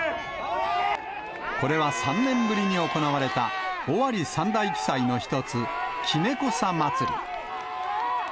これは３年ぶりに行われた、尾張三大奇祭の一つ、きねこさ祭。